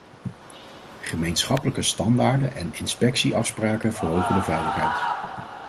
Gemeenschappelijke standaarden en inspectieafspraken verhogen de veiligheid.